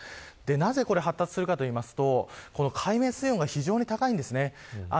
なぜこれが発達するかというと海面水温が非常に高いんです。